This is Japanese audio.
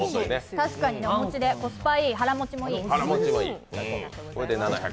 確かにお餅でコスパもいい、腹持ちもいい。